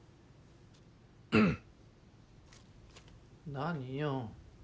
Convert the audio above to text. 何よ。